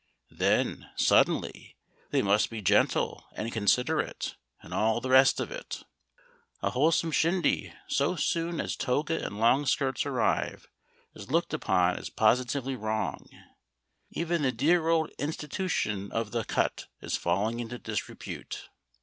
Then, suddenly, they must be gentle and considerate, and all the rest of it. A wholesome shindy, so soon as toga and long skirts arrive, is looked upon as positively wrong; even the dear old institution of the "cut" is falling into disrepute.